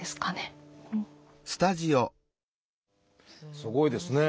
すごいです！